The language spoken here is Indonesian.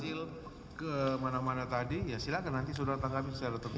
hasil kemana mana tadi ya silahkan nanti saudara tangkapin secara tertulis